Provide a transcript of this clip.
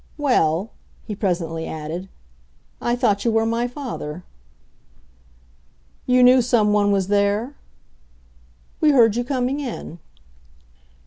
"Well," he presently added, "I thought you were my father." "You knew someone was there?" "We heard you coming in."